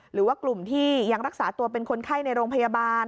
หรือว่ากลุ่มที่ยังรักษาตัวเป็นคนไข้ในโรงพยาบาล